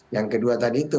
yang kedua tadi itu